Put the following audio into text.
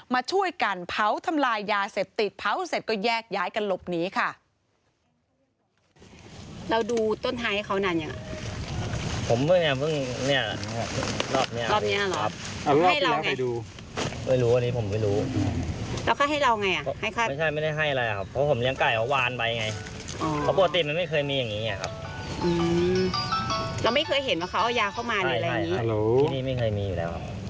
มาช่วยกันเผาทำลายยาเสพติดเผาเสร็จก็แยกย้ายกันหลบหนีค่ะ